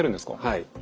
はい。